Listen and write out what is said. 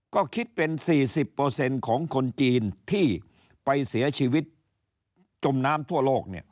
ก็คิดเป็น๔๐ของคนจีนที่ไปเสียชีวิตจมน้ำทั่วโลก